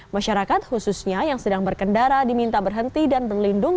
masyarakat khususnya yang sedang berkendara diminta berhenti dan berlindung